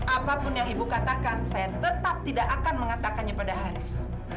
apapun yang ibu katakan saya tetap tidak akan mengatakannya pada hans